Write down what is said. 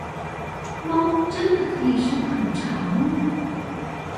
貓真的可以伸很長